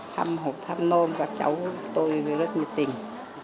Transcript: thăm hộp thăm nôn các cháu tôi rất nhiệt tình